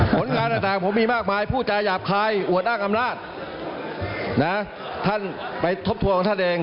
ผลงานต่างผมมีมากมายผู้จาหยาบคายอวดอ้างอำนาจนะท่านไปทบทวนของท่านเอง